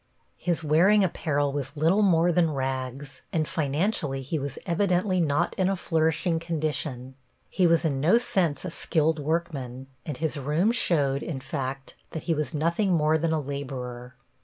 His wearing apparel was little more than rags, and financially he was evidently not in a flourishing condition. He was in no sense a skilled workman, and his room showed, in fact, that he was nothing more than a laborer.